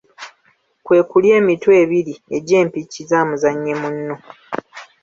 Kwe kulya emitwe ebiri egy’empiki za muzannyi munno.